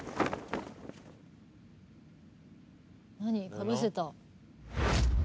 かぶせた。